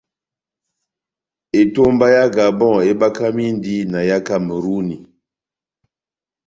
Etomba yá Gabon ebakamindi na yá Kameruni.